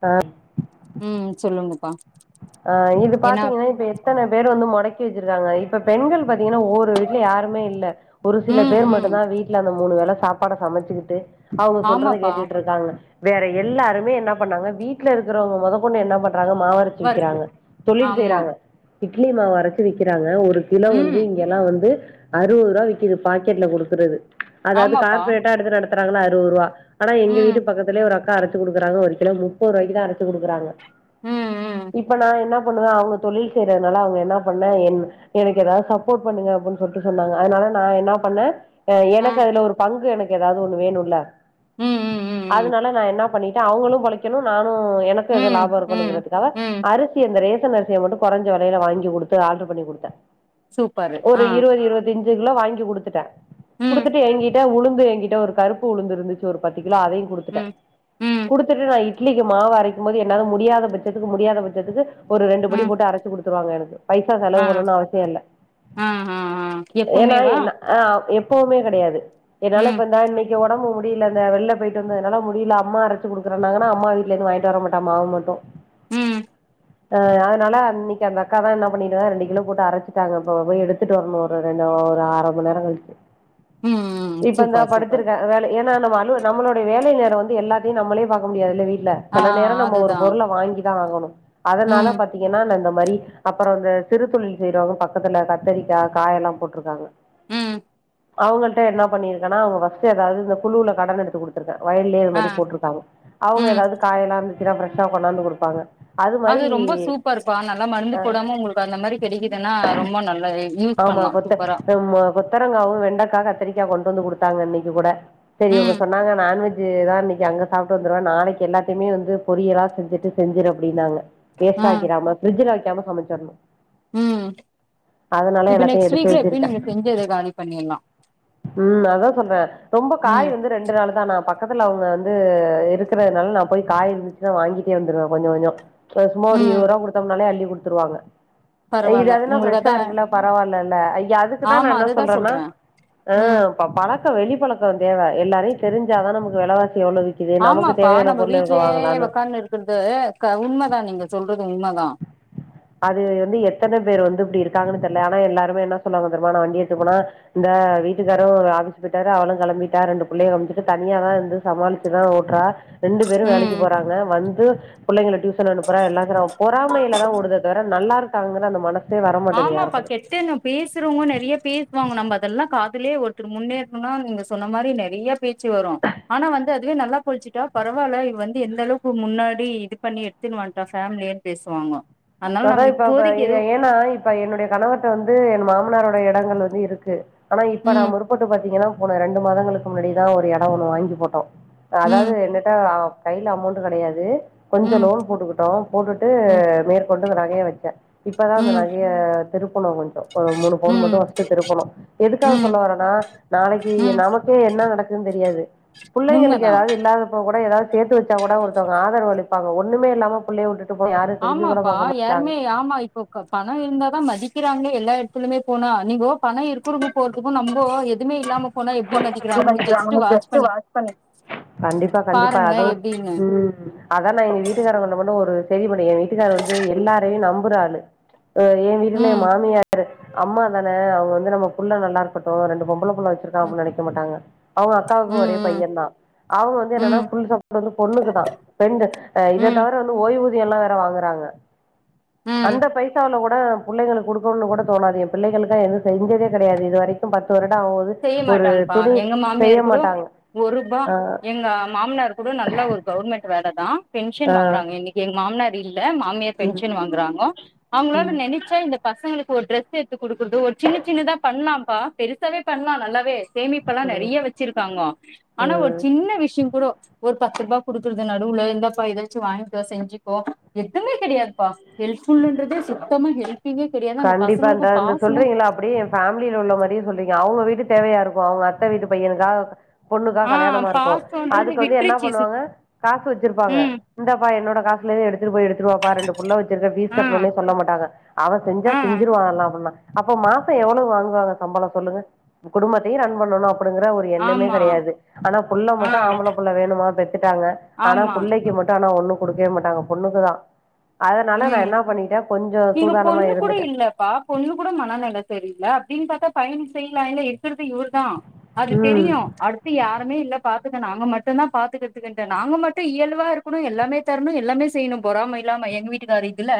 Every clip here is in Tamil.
அ ம் சொல்லுங்கப்பா ஆ இது ஏன்னா பாத்தீங்கன்னா இப்ப எத்தன பேர் வந்து முடக்கி வெச்சிருக்காங்க இப்ப பெண்கள் பாத்தீங்கன்னா ஒவ்வொரு வீட்ல யாருமே இல்ல ஒரு சில ம் பேர் ம் மட்டுந்தா வீட்ல அந்த மூணு வேல சாப்பாட சமச்சுக்கிட்டு அவுங்க சொல்றத ஆமாப்பா கேட்டுட்டு இருக்காங்க வேற எல்லாருமே என்ன பண்ணாங்க வீட்ல இருக்கிறவங்க மொதொ கொண்டு என்ன பண்றாங்க மாவ் அ ஒர்க்கு ரக்கிறாங்க தொழில் ஆமா செய்றாங்க இட்லி மாவு அரச்சு விக்கிறாங்க ஒரு கிலோ வந்து ம் இங்கெல்லா வந்து அறுவது ரூவா விக்குது பாக்கெட்ல குடுக்கறது அதாவது ஆமாப்பா கார்ப்ரேட்டா எடுத்து நடத்துறாங்ள்ள அறுவது ரூவா ஆனா ம் எங்கவிட்டு பக்கத்துலயே ஒரு அக்கா அரச்சு குடுக்கறாங்க ஒருகிலோ முப்பது ரூபாய்க்குதா அரச்சு குடுக்கறாங்க ம் ம் இப்ப நா என்ன பண்ணவ அவுங்க தொழில் செய்யறனால அவுங்க என்னா பண்ண என் எனக்கு எதாவது சப்போர்ட் பண்ணுங்க அப்ன்னு சொல்ட்டு சொன்னாங்க அதுனால நா என்னா பண்ணே ஆ எனக்கு அதுல ஒரு பங்கு எனக்கு எதாவது ஒண்ணு வேணுல்ல ம் ம் ம் அதுனால நா என்னா பண்ணி ட்ட அவுங்களு பொழைக்கணு நானு எனக்கு ம் எதோ ம் லாபோ ம் இருக்கனுங்கறதுக்காவ ம் அரிசிய அந்த ரேசன் அரிசிய மட்டு கொறஞ்ச வெலல வாங்கி குடுத்து ஆல்ட்டர் பண்ணி குடுத்த சூப்பரு ஒரு ஆ இருவது இருவத்தஞ்சு கிலோ வாங்கி குடுத்துட்ட ம் குடுத்துட்டு என்கிட்ட உளுந்து என்கிட்ட ஒரு கருப்பு உளுந்து இருந்துச்சு ஒரு பத்து கிலோ அதையு குடு ம் ம் குடுத்துட்டு நா இட்லிக்கு மாவு அரைக்கும்போது என்னால முடியாத பட்சத்துக்கு முடியாத பட்சத்துக்கு ஒரு ரெண்டு படி ம் போட்டு அரச்சு குடுத்துருவாங்க எனக்கு பைசா செலவு பண்ணனுனு அவசியோ இல்ல அ அ எப்புமேவா அ எப்புமே கெடயாது என்னால ம் இப்பந்தா இன்னைக்கு ஒடம்பு முடில இந்த வெளில போயிட்டு வந்தனால முடில அம்மா அரச்சு குடுக்கறனாங்கனா அம்மா வீட்லந்து வாங்கிட்டு வர மாட்ட மாவு மட்டு ம் அ அதனால அன்னைக்கு அந்த அக்காதா என்ன பண்ணிருக்காங்க ரெண்டு கிலோ போட்டு அரச்சுட்டாங்க இப்போ போய் எடுத்திட்டு வரணு இப்ப இன்னு ஒரு அர மணி நேரோ கழி ம் ம் இப்ப இந்தா சூப்பர் சூப்பர் படுத்திருக்கே வேல ஏனா நம்ம ஆலுவல் நம்மளோட வேலை நேரோ வந்து எல்லாத்தயு நம்மளே பாக்க முடியாதில்ல வீ ட்ல ஆ சில நேரோ நம்ம ஒரு அதுதா பொருள வாங்கிதா ஆகணு அதனால ம் பா த்தீங்கன்னா நா இந்த மாரி அப்றோ அந்த சிறு தொழில் செய்றவங்க பக்கத்துல கத்தரிக்கா காயெல்லா போட்டிருக்காங்க ம் அவுங்கிள்ட்ட என்ன பண்ணிருக்கனா அவுங்க ஃபர்ஸ்ட் எதாவது இந்த குழுவுல கடன் எடுத்து குடு த்திருக்க வயல்லயே இது ஆ மாரி போட்டிருக்காங்க அவுங்க ம் எதாவது காயெல்லா இருந்துச்சுனா ஃப்ரெஷ்ஷா கொண்டாந்து குடுப்பாங்க அது ரொம்ப சூப்பர்ப்பா நல்லா மருந்து போடாம உங்களுக்கு அந்த மாரி கெடைக்குதுன்னா ரொம்ப நல்லாவே ஆமா பொத்த ம் மா பொ கத்தரங்காவு வெண்டக்கா கத்திரிக்கா கொண்டு வந்து குடுத்தாங்க இன்னைக்கு கூட சரி இவங்க ம் சொன்னாங்க நான்வெஜ் இதேதா அன்னைக்கு அங்க சாப்ட்டு வந்துடுவே நாளைக்கு எல்லாத்தையுமே வந்து பொரியலா செஞ்சுட்டு செஞ்சுடு அப்டின்னாங்க ம் வேஸ்டாக்கிராம ஃபிரிட்ஜில வக்காம சமச்சடணு ம் இப்ப எல்லாத்தையும் நெக்ஸ்ட்டு எடுத்து வீக்ல எப்டி வச்சிருக்கேன் நீங்க செஞ்சத காலி பண்ணிடலா ம் அதா சொல்றே ரொம்ப காய் வந்து ரெண்டு நாளுதா நா பக்கத்துல அவங்க வந்து இருக்கறதுனால நா போய் காய் இருந்துச்சுன்னா வாங்கிட்டே வந்துருவே கொஞ்ச கொஞ்ச சும்மா ஒரு ம் இருவது ரூபா குடுத்தோம்னாலே அள்ளி குடுத்துருவாங்க இ பரவால்ல அதுனா உங்களுக்கு ஃப்ரஷ் அதா பரவால்லல்ல ஐய அதுக்கு தா நா ஆமா என்னா அதுதா சொல்றேன்னா சொல்ற ஆ ம் இப்ப பழக்க வெளிப்பழக்க தேவை எல்லாரையு தெரிஞ்சாதா நமக்கு வெலைவாசி எவ்ளோ விக் கிது நமக்கு தேவையான பொருள இங்க வாங்கலான்னு கிறது க உண்மதா நீங்க சொல்றது உண்மதா அது வந்து எத்தன பேர் வந்து இப்டி இருக்காங்கனு தெரில ஆனா எல்லாருமே என்ன சொல்லுவாங்க தெருமா நா வண்டி எடுத்து போனா இந்தா வீட்டுக்காரு ஆவிசு போயிட்டாரு அவளு கெளம்பிட்டா ரெண்டு பிள்ளைய அமிச்சிட்டு தனியா தா இருந்து சமாளிச்சுதா ஓட்றா ரெண்டு பேரு ம் வேலைக்கு போறாங்க வந்து புள்ளங்கள டியூசன் அனுப்புறா எல்லா கிறா பொறாமையில தா ஓடுது நல்லா இருக்காங்கன்னா அந்த மனசே வர மாட்டது யாருக்கு பேசுறவங்கோ நெறைய பேசுவாங்க நம்ப அதல்லா காதுலே ஒருத்தரு முன்னேறணும்னா நீங்க சொன்ன மாரி நெறைய பேச்சு வரு ஆனா வந்து அதுவே நல்லா பொழச்சுட்டா பரவால்ல இவ வந்து எந்தளவுக்கு முன்னாடி இது பண்ணி எத் துனி வண்டா ஃபேமிலியே பேசுவாங்கோ அதா இப்ப அவ எ ஏனா இப்ப என்னுடைய கணவர்ட்ட வந்து என் மாமனாரோடய எடங்கள் வந்து இருக்கு ஆனா இப்ப நா ம் முற்பட்டு பாத்தீங்கன்னா போன ரெண்டு மாதங்களுக்கு முன்னாடி தா ஒரு எட ஒன்னு வாங்கி போட்டோ ம் அதாவது என்னட்டா கையில அமௌண்ட் கெடையாது கொஞ்ச ம் லோன் போட்டுக்கிட்டோ போட்டுட்டு ம் மேற்க் து நகைய வச்சே இப்பதா ம் நெறைய திருப்பணு கொஞ்ச ஒரு மூணு பவுன் ம் மட்டும் பர்ஸ்ட் திருப்பணும் எதுக்காக ம் சொல்ல வரேன்னா நாளைக்கு ம் நமக்கே என்ன நடக்குன்னு தெரியாது புள்ளைங்களுக்கு உண்மதான் ஏதாவது இல்லாத கூட எதாவது சேத்துச்ச கூட ஒருத்தங்க ஆதரவு அளிப்பாங்க ஒண்ணமே இல்லாம புள்ளையை விட்டு போய் யாரு திரும்பி கூடங்க பக் ஆ யாருமே ஆமாய் ப க பணோ இருந்தாதா மதிக்கிறாங்களே எல்லா எடத்துலுமே போனா நீங்கோ பணம் இருக்கரங்கோ போறதுக்கு நம்போ எதுவுமே இல்லாம போனா இப்போ எப்டி மதிக்கிறாங்கன்னு [unintelligible] வாட்ச் ஜஸ்ட் வாஷ் பண்ணி கண்டிப்பா கண்டிப்பா பாருங்களே அது எப்டின்னு ம் அதா நா எங்க வீட்டுக்காரங்கண்டுகளு ஒரு செரி படல ஏ வீட்டுக்காரு வந்து எல்லாரயு நம்புறாளு ஆ ஏ வீட்ல எ ம் மாமியா ச அம்மா தான அவங்க வந்து நம்ம புள்ள நல்லாருக்கட்டு ரெண்டு பொம்பள புள்ள வச்சுருக் ம் நெனைக்க மாட்டாங்க அவங்க அக்காவுக்கு ஒரே ம் பையந்தா அவங்க வந்து என்னனா ம் ஃபுல் [unintelligible] இது வந்து பொண்ணுக்கு தா ரெண்டு இத ம் ம் தவர வந்து ஓய்வூதியல்லா வேற வாங்குறாங்க ம் அந்த பைசாவுல கூட புள்ளைகளுக் குடுக்கணும்னு கூட தோணாது ஏ பிள்ளைகளுக்க எது செஞ்சதே கெடையாது இது வரைக்கு பத்து வருட ஆவது செய்ய மாட்டாங்கப்பா எங்க மாமியார் இருக்கடு மாட்டாங்க ஒரூபா ஆ எங்க மாமனார் இரு கூட நல்ல ஒரு கவர்மெண்ட் வேல தா. பென்ஷன் ஆ வாங்குறாங்க இன்னைக்கு எங்க மாமனர் இல்ல மாமியார் ம் பென்ஷன் வாங்குறாங்கோ அவங்களால நினைச்சா இந்த பசங்களுக்கு ஒரு ட்ரெஸ் எடுத்து குடுக்குறது ஒரு சின்ன சின்னதா பண்ணலாம்ப்பா பெருசாவே பண்ணலா நல்லாவே சேமிப்ப எல்லா ம் நெறைய வச்சிருக்காங்க ஆனா ஒரு ம் சின்ன விஷய கூட ஒரு பத்து ரூபா குடுக்குடுது நடுவுல எந்தாப்பா எதாச்சு வாங்கிக்கோ செஞ்சுக்கோ எதுவுமே கெடையாதுப்பா ஹெல்ப்ஃபுல்லுன்றதே சுத்தமா ஹெல்ப்பிங்கே கண்டிப்பா இந்தா இந்த சொல்றீங்கல்ல அப்படியே ஃபேமில உள்ள மாரியே சொல்றீங்க அவுங்க வீட்டுத் தேவையா இருக்கும் அவுங்க அத்த வீட்டு பையனுக்காக பொண்ணுக்கா ஆ கல்யாணமா இருக்கு பாசோன்றது அதுக்கு வந்து என்ன விட்ருச்சு பண்ணுவாங்க காசு வச்சிருப்பாங்க ம் இந்தாப்பா என்னோட காசுலேந்து எடுத்துட்டு போயி எடுத்துருவாப்பா ரெண்டு புள்ள வச்சிருக்க ஃபீஸ் ஆ கட்ணுன்னே சொல்ல மாட்டாக அவ செஞ்சா ஆ செஞ்சருவான்னா‌ அப்பன்னா அப்ப மாச எவ்வளவு வாங்குவாங்க சம்பள சொல்லுங்க குடும்பத்தையு ரன் பண்ணணு அப்டிங்கிற ஒரு ஒரு எண்ணமே ஆமா கெடையாது ஆனா புள்ள ஆ மட்டு ஆம்புள புள்ள வேணுமா பெத்துட்டாங்க ஆனா ஆமா புள்ளைக்கு மட்டு ஆனா ஒன்னு குடுக்கவே மாட்டாங்க பொண்ணுக்குதா அதனால நா ம் என்ன பண்ணிட்டே கொஞ்ச இங்க சூதானமா பொண்ணு கூட இருந்துட்டேன் இல் ல்லப்பா பொண்ணு கூட மனநில தெரியல அப்டின்னு பாத்தா பையனுக்கு செய்யலால்ல இருக்கறது இவர்தா அது ம் தெரியு அடு தத்து யாருமே இல்ல பாத்துக்க நாங்க மட்டுந்தா பாத்துக்கறத்துக்குன்ட்டு நாங்க மட்டும் இயல்பா இருக்கணு எல்லாமே தரணு எல்லாமே செய்யணு பொறாம இல்லாம எங்க வீட்டுக்காரரு இதுல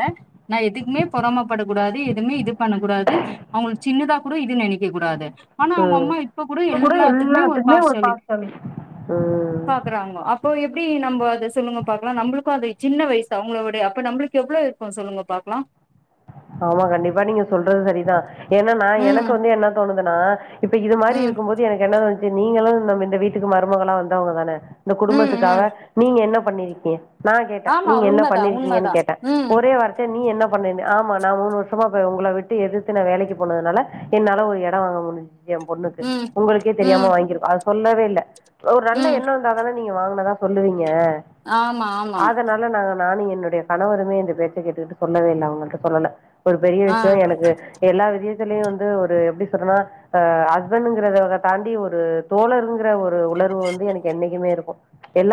நா எதுக்குமே பொறமப்படக் கூடாது எதுவுமே இது பண்ணக் கூடாது அவுங்களுக்கு சின்னதா கூட இது நெனைக்க கூடாது ஆனா அவுங்க ம் அம்மா இப்ப கூட எல்லாத்துக்குமே ஒரு பார்சியாலிட் ம் பா க்குறாங்கோ அப்போ எப்டி நம்போ அத சொல்லுங்க பாக்கலா நம்பளுக்கு அது சின்ன வயசு அவுங்களோவோடவே அப்ப நம்பளுக் கு எவ்வளோ இருக்கு சொல்லுங்க பாக்கலா ஆமா கண்டிப்பா நீங்க சொல்றது சரிதா என்னன்னா எனக்கு ம் வந்து என்ன தோணுதுன்னா இப்ப இது மாரி ம் இருக்கும்போது எனக்கு என்ன தோணுச்சு நீங்களு நம்ம இந்த வீட்டுக்கு மருமகளா வந்தவங்க தான இந்த ம் ம் குடும்பத்துக்காக நீங்க என்ன பண்ணிருக்கீங்க நா கேட்ட ஆமா நீங்க என்ன உண்மதா பண்ணிருக்கீங்கன்னு உண்மதா கேட்ட ம் ஒரே வார்த்த நீ என்ன பண்ண ஆமா நா மூணு வருஷமா இப்ப உங்கள விட்டு எதிர்த்து நா வேலைக்கு போனதுனால என்னால ஒரு எட வாங்க முடிஞ்சுச் ஏ பொண்ணுக்கு ம் உங்களுக்கே தெரியாம ம் வாங்கிருக்கோ அது சொல்லவே இல்ல ஒரு நல்ல ம் எண்ண வந்தா தான நீங்க வாங்குனதா சொல்லுவீங்க ஆமா ஆமா அதனால நாங்க நானு என்னுடைய கணவருமே இந்த பேச்ச கேட்டுக்கிட்டு சொல்லவே இல்ல அவுங்கள்ட்ட சொல்லல ஒரு பெரிய ஆ விஷய எனக்கு எல்லா விஜியத்துலயு வந்து ஒரு எப்டி சொல்றன்னா ஆ ஹஸ்பண்ட்ங்கிறத தாண்டி ஒரு தோழருங்கிற ஒரு உணர்வு வந்து எனக்கு என்னைக்குமே இருக்கு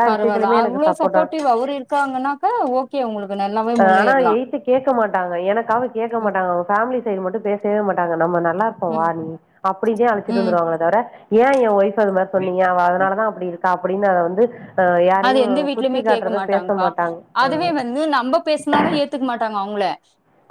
பரவால்ல அவ்ளோ சப்போட்டிவ் அவுரு இருக்காங்கன்னாக்கா ஓகே உங்களுக்கு நல்லா ஆனா எய்த்து கேக்க மாட்டாங்க எனக்காக கேக்க ம் மாட்டாங்க அவுங்க ஃபேமிலி சைடு மட்டு பேசவே மாட்டாங்க நம்ம ந என்னா இப்ப வா ம் நீ அப்டிதே அழச்சிட்டு ம் வந்துருவாங்கள தவர ஏ என் ஒய்ஃப அது மாரி சொன்னீங்க அவ அதனாலதா அப்டி இருக்கா அப்டின்னு அத வந்து அ அது யாரையும் எந்த குத்தி வீட்லயுமே கேக்க காட்டுறத பேச மாட்டாங்கப்பா மாட்டாங்க. அ. அதுவே வந்து நம்ப பேசுனாலு ஏத்துக்க மாட்டாங்க அவுங்கள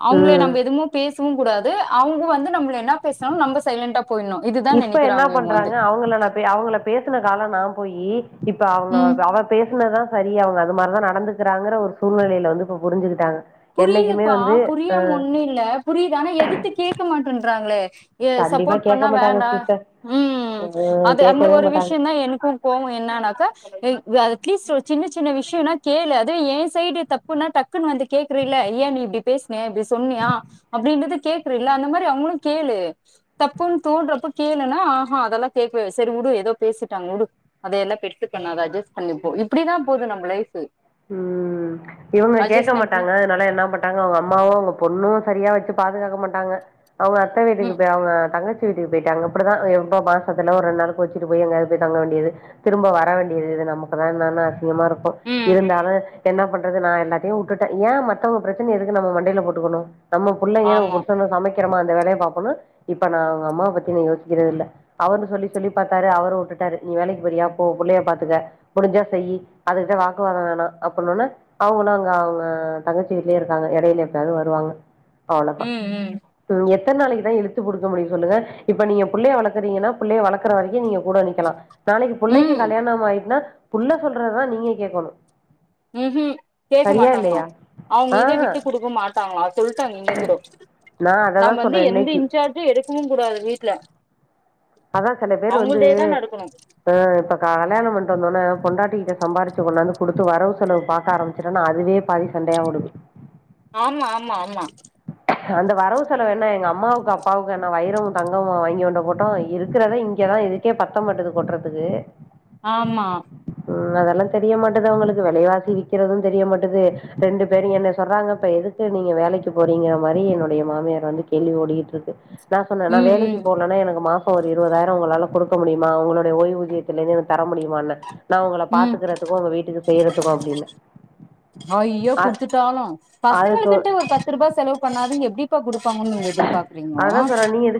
அவுங்கள ம். நம்ம எதுமு பேசவு கூடாது அவுங்க வந்து நம்பள என்ன பேசுனாலு நம்ப சைலண்ட்டா போயிணு இது இப்ப என்ன பண்றாங்க அவுங்கள நா அவுங்கள பேசுன கால நா போயி இப்ப அவுங்க ம் அவ பேசுனதா சரியாவு அது மாரிதா நடந்துக்கிறாங்கற ஒரு சூழ்நெலைல வந்து இப்ப புரிஞ்சுக்கிட்டாங்க என்னைக்குமே புரிதுப்பா வந்து ஆ புரியாம ஒன்னு இல்ல புரிது ஆனா எதித்து கேக்க மாட்டேன்றாங்களே ஏ கண்டிப்பா சப்போட் பண்ண கேட்க மாட்டாங்க வேண்டா சிஸ்டர் ம் ம் அது அந்த கேட்கவே ஒரு மாட்டாங்க விஷ்யோந்தா எனக்கு கோவோ என்னன்னாக்கா ம் அட்லீஸ்ட் ஒரு சின்ன சின்ன விஷ்யோன்னா கேளு அதே ஏ சைடு தப்புனா டக்குன்னு வந்து கேக்குறீல ஏ நீ இப்டி பேசுன இப்டி சொன்னியா அப்டின்றது கேக்குறீல அந்த மாரி அவுங்களு கேளு தப்புன் தோன்றப்ப கேளுனா ஆஹா அதெல்லா கேக்வே செரி வுடு எதோ பேசிட்டாங் வுடு அத எல்லா பெருசு பண்ணாத அட்ஜஸ் பண்ணிப்போ இப்பிடிதா போது நம்ப லைஃபு ம் இவுங்க கேக்க மாட்டாங்க அத்னால என்னா பண்ட்டாங்கோ அவுங்க அம்மாவு அவுங்க பொண்ணு செரியா வெச்சுப் பாதுகாக்க மாட்டாங்க அவுங்க அத்த வீட்டுக்கு ம் போய் அவுங்க தங்கச் சி வீட்டுக்கு போய்ட்டாங்க இப்படிதா அ எப்ப மாசத்துல ஒரு ரெண்நாளு கோச்சுட்டு போய் எங்கயாது போய் தங்க வேண்டியது திரும்ப வர வேண்டியது இது நமக்குதா என்னனா அசிங்கமாருக்கு ம் இருந்தாலு என்ன பண்றது நா எல்லாத்தையு வுட்டுட்டே ஏ மத்தவங்க ப்ரெச்சனிய எதுக்கு நம்ம மண்டைல போட்டுக்கணு நம்ம புள்ளைங்க நம் ஆமா புருசன்னுக் சமைக்கிறோமா அந்த வேலய பாப்போணு இப்ப நா அவுங்க அம்மாவ பத்தி நா யோசிக்கிறதில்ல அவரு சொல்லி சொல்லி பாத்தாரு அவரு உட்டுட்டாரு நீ வேலைக்கு போறியா போ புள்ளய பாத்துக்க முடிஞ்சா செய்யி அதுகிட்ட வாக்குவாதோ வேணா அப்புனோன அவுங்களு அங்க அவுங்க தங்கச்சி வீட்லயே இருக்காங்க எடையில எப்பயாவது வருவாங்க அவ்ளதா ம் ம் ம் எத் தன் நாளைக்கு தா இழுத்து புடிக்க முடியு சொல்லுங்க இப்ப நீ எ புள்ளய வளக்குறீங்கனா புள்ளய வளக்குற வரைக்கு நீங்க கூட நிக்கலா நாளைக்கு புள்ளைக்கு ம் கல்யாணம் ஆயிட்ன்னா புள்ள சொல்றத்தா நீங்க கேக்கணு ம் ம் கேக்க மாட்டாங்களா இல்லையா அவுங்க இத ஆஹ் விட்டு குடுக்க மாட் டாங்ளா சொல்ட்டாங இங்க கூடோ நான் அதை தான் நம்ப் வந்து சொல்றேன் எந்த இன்னைக்கு இன்சார்ஜு எடுக்கவு கூடாது வீட்ல அதா சில பேரு வந்து அவங்கள்தேதா நடக்கணு அ இப்ப க கல்யாணம் பண்ட்டு வந்தோன பொண்டாட்டி கிட்ட சம்பாரிச்சு கொண்டாந்து குடுத்து வரவு செலவு பாக்க ஆரம் பிச்சுரனா அதுவே பாதி சண்டயா ஓடுது ஆமா ஆமா ஆமா அந்த வரவு செலவு என்ன எங்க அம்மாவுக்கு அப்பாவுக்கு என்ன வைரமு தங்கமுமா வாங்கி கொண்டு போட்டோ இருக்கிறத இங்கதா இது க்கே பத்த மாட்டது கொட்றதுக்கு ஆமா ம் அதெல்லா தெரிய மாட்டது அவுங்களுக்கு வெலைவாசி விக்கிறது தெரிய மாட்டது ரெண்டு பேரு என்ன சொல்றாங்க இப்ப எது க்கு நீங்க வேலைக் க்கு போறீங்க மாரி என்னுடைய மாமியார் வந்து கேள்வி ஓடிகிட்ருக்கு நா சொன்ன நா ம் வேலைக்கி ம் போலன்னா எனக்கு மாச ஒரு இருவதாயிரோ உங்களால குடுக்க முடியுமா உங்களுடைய ஓய்வூதியத்துலந்து எனக் தர முடியுமான்னே நா உங்கள ம் பாத்துக்குறதுக்கு உங்க வீட்டுக்கு செய்றதுக்கு அப்டின்ன ஐயோ குடுத்துட்டாலு அதுக்கு பசங்களுக்கின்ட்டு ஒரு பத்து ரூபா செலவு பண்ணாதிங்க எப்டி எப்ப குடுப்பாங்கன் நீங்க எதிர்பாக்குறீங்கோ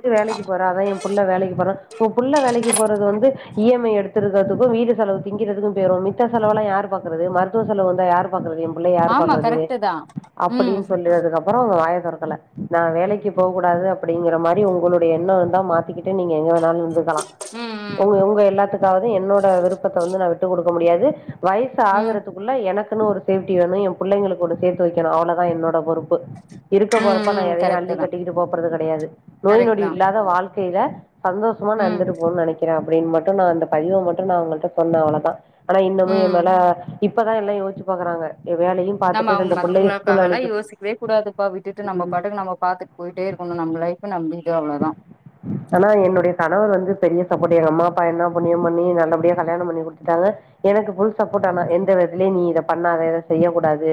து வேலைக்கு போற அதா எ புள்ள வேலைக்கு போற உ புள்ள வேலைக்கு போறது வந்து இ எம் ஐ எடுத் திருக்கிற்துக்கு வீடு செலவு திங்கிறதுக்கு பேய்ரு மிச்ச செலவுல்லா யாரு பாக்குறது மருத்துவ செலவு வந்தா யாரு பாக்குறது எ பிள்ள யாரு ஆமா பாக்குறது கரெக்ட்டுதா ம் அப்படின் சொல்லதுக்கு அப்பறோ அவுங்க வாய தொறக்கல நா வேலைக் கி போக்கூடாது அப்படிங்கிற மாரி உங்களுடைய எண்ணோ இர்ந்தா மாத்திக்கிட்டு நீங்க எங்க வேணாலும் இருக்கலா ம் ம் உங்க உங்க எல்லாத்துக்காவது என்னோட விருப்பத்த வந்து நா விட்டுக் குடுக்க முடியாது வயசு ம் ஆகுறதுக்குள்ள எனக்குன்னு ஒரு சேஃப்டி ஒன்னு எ புள்ளைங்களுக்கு ஒண்ணு சேத்து வெக்கணு அவ்ளதா என்னோட பொறுப்பு இருக்க ம் போறப்ப நா ம் எதையு அள்ளி கரெக்ட்டுதா கட் டிகிட்டு போப்போறது கெடையாது நோய் நொடி கரெக்ட்தா இல்லாத வாழ்க்கைல சந்தோஷமா நா ம் இருந்துட்டு போன் நெனைக் கிறே அப்படின் மட்டு நா இந்த பதிவ மட்டு நா அவ்ங்கள்ட்ட சொன்னே அவ்ளதா ஆனா இன்னமு எ ம் மேல இப்பதா எல்லா யோஸ்ச்சு பாக்குறாங்க எ வேலயு நம்ம அவுங்க மத்தவங்களுக்காகல்லா யோசிக்வே கூடாதுப்பா விட்டுட்டு நம்ப பாட்டுக்கு நம்ம பாத்துட் போய்ட்டே இருக்கணு நம்ம லைஃப நம்பிட்டு அவ்ளதா ஆனா என்னுடைய கணவர் வந்து பெரிய சப்போட்டு எங்க அம்மா அப்பா என்ன புண்ணியோ பண்ணி நல்லபடியா கல்யாணோ பண்ணி குடுத்துட்டாங்க எனக்கு ஃபுல் சப்போட் ஆனா எந்த விதத்லயு நீ இத பண்ணாத இத செய்யக் கூடாது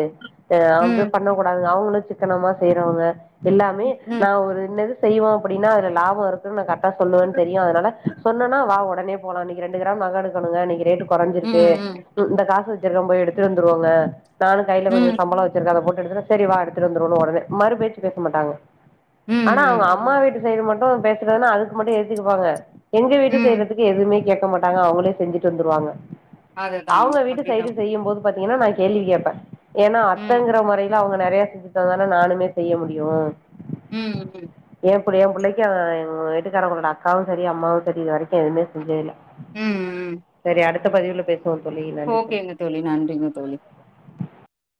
அ அவுங்ளுமே ம் பண்ணக் கூடாதுங்க, அவுங்களு சிக்கனமா செய்றவங்க எல்லாமே ம் நா ம் ஒரு இன்னது செய்வோ அப்டின்னா அதுல லாபோ இருக்குன்னு நா கரெக்டா சொல்லுவேனு தெரியு அதனால சொன்னன்ன வா ஒடனே போலா இன்னக்கி ரெண்டு கிராம் நக எடுக்கணுங்க இன்னக்கி ரேட்டு கொறஞ்சிருக்கு ம் ம் இந்த காசு வச்சிருக்கே போய் எடுத்து வந்துருவோங்க நானு கைல கொஞ்சோ ம் சம்பளோ வச்சிருக்கே அத போட்டு எடுத்துட்டு செரி வா எடுத்துட்டு வந்துருவோனு ஒடனே மறு பேச்சு பேச மாட்டாங்க ம் ஆனா அவங்க ம் அம்மா வீட்டு சைடு மட்டு பேசுறதுனா அதுக்கு மட்டு ஏத்துக்குப்பாங்க எங்க வீட்டு ம் செய்றதுக்கு எதுமே கேட்க மாட்டாங்க அவங்களே செஞ்சுட்டு வந்துருவாங்க அதுதா அவங்க வீட்டு அப்டிதா சைடு செய்யும்போது பாத்தீங்கனா நா கேள்வி கேப்ப ஏன்னா ம் அத்தங்கிற மொறையில அவங்க நெறைய செஞ்சிருந்தாதான நானுமே செய்ய முடியு ம் ம் கூட ஏ புள்ளைக்கு ஆ எங்க வீட்டுக்காரவங்களோட அக்காவு செரி அம்மாவு செரி இதுவரைக்கு எதுமே செஞ்சதில்ல ம் ம் செரி அடுத்த பதிவுல பேசுவோ தோழி ஓகேங்க தோழி நன்றிங்க தோழி